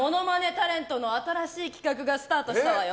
タレントの新しい企画がスタートしたわよ。